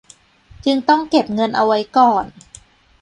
จึงต้องเก็บเงินเอาไว้ก่อน